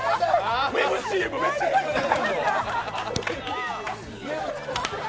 ウェブＣＭもめっちゃやってる。